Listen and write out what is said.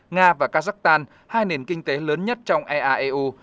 nga và kazakhstan hai nền kinh tế lớn nhất trong ea eu